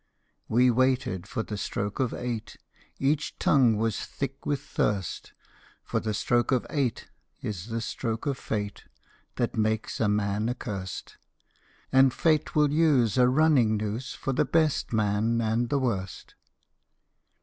We waited for the stroke of eight: Each tongue was thick with thirst: For the stroke of eight is the stroke of Fate That makes a man accursed, And Fate will use a running noose For the best man and the worst.